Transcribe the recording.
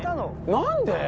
何で？